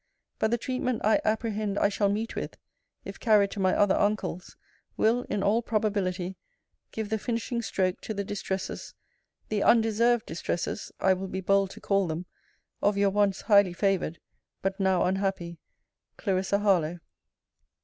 But the treatment I apprehend I shall meet with, if carried to my other uncle's, will, in all probability, give the finishing stroke to the distresses, the undeserved distresses I will be bold to call them, of Your once highly favoured, but now unhappy, CL. HARLOWE.